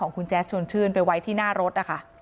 ของคุณแจ๊สชวนชื่นไปไว้ที่หน้ารถ